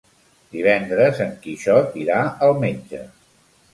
Divendres en Quixot irà al metge.